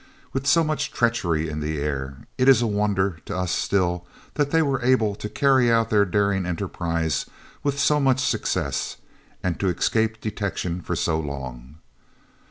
With so much treachery in the air, it is a wonder to us still that they were able to carry out their daring enterprise with so much success and to escape detection for so long.